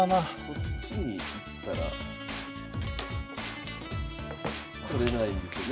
こっちにいったら取れないですよね。